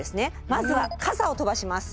まずは傘を飛ばします。